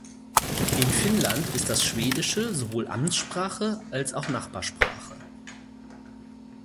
In Finnland ist das Schwedische sowohl Amtssprache als auch Nachbarsprache.